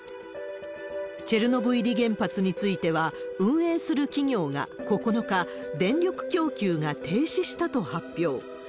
チェルノブイリ原発については、運営する企業が９日、電力供給が停止したと発表。